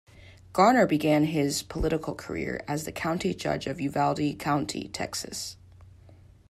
Garner began his political career as the county judge of Uvalde County, Texas.